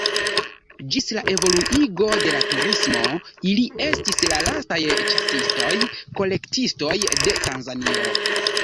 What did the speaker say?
Ĝis la evoluigo de la turismo ili estis la lastaj ĉasistoj-kolektistoj de Tanzanio.